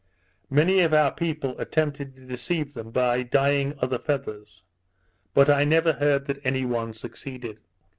Many of our people attempted to deceive them by dying other feathers; but I never heard that any one succeeded.